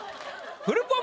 フルポン